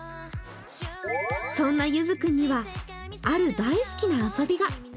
そんなゆずくんには、ある大好きな遊びが。